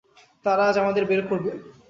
তারা আজ আমাদের বের করবে।